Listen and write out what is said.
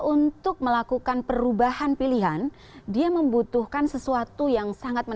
untuk melakukan perubahan pilihan dia membutuhkan sesuatu yang sangat menarik